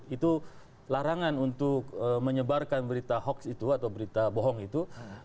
itu larangan untuk menyebarkan berita hoax itu atau berita bohong itu